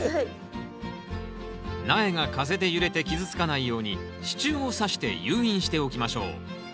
苗が風で揺れて傷つかないように支柱をさして誘引しておきましょう。